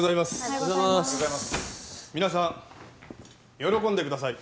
皆さん喜んでください。